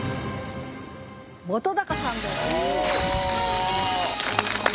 本さんです！